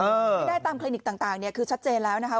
ไม่ได้ตามคลินิกต่างเนี่ยคือชัดเจนแล้วนะคะ